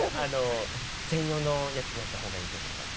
専用のやつでやった方がいいと思います